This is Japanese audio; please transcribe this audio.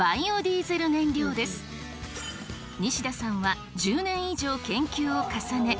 西田さんは１０年以上研究を重ね